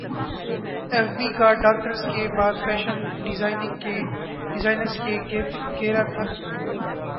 F B کا doctors کے بعد فیشن ڈیزائنرز کے گرد گھیرا تنگ